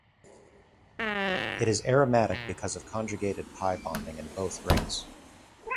It is aromatic because of conjugated pi bonding in both rings.